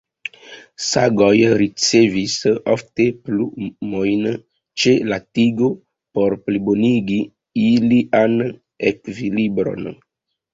Sagoj ricevis ofte plumojn ĉe la tigo por plibonigi ilian ekvilibron.